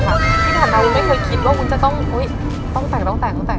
ที่ผ่านมาวุ้นไม่เคยคิดว่าวุ้นจะต้องต้องแต่ง